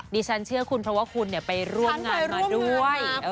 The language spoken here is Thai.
ดิฉันเชื่อคุณเพราะว่าคุณไปร่วมงานมาด้วย